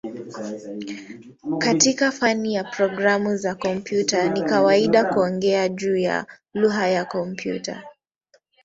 Katika fani ya programu za kompyuta ni kawaida kuongea juu ya "lugha ya kompyuta".